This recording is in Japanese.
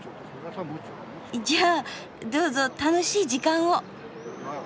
じゃあどうぞ楽しい時間を。